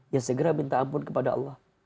ya segera minta ampun kepada allah